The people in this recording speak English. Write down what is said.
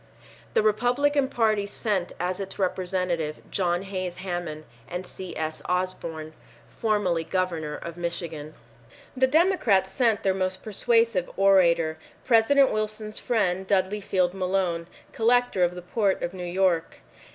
The Republican Party sent as its representatives John Hays Hammond and C. S. Osborn, formerly Governor of Michigan. The Democrats sent their most persuasive orator, President Wilson's friend, Dudley Field Malone, Collector of the Port of New York.